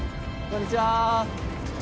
こんにちは。